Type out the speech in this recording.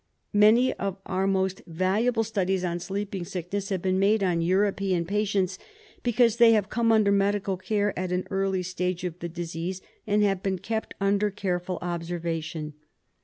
Many of our most valuable studies on sleeping sickness have been made on European patients, because they have come under medical care at an early stage of the disease, and have been kept under careful observation.